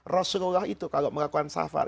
rasulullah itu kalau melakukan safar